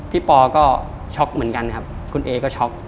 ปอก็ช็อกเหมือนกันครับคุณเอก็ช็อก